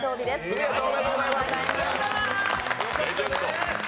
おめでとうございます。